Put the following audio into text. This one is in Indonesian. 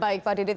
baik pak didit